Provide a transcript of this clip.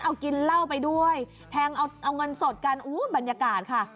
เอากินเหล้าไปด้วยแทงเอาเงินสดกันบรรยากาศค่ะ